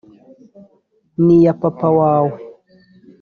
ni iya papa wawe